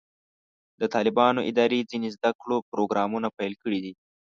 د طالبانو ادارې ځینې زده کړو پروګرامونه پیل کړي دي.